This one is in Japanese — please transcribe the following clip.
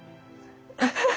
ハハハ。